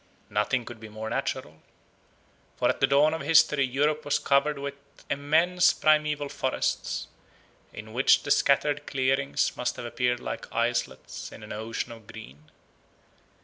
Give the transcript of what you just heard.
Nothing could be more natural. For at the dawn of history Europe was covered with immense primaeval forests, in which the scattered clearings must have appeared like islets in an ocean of green.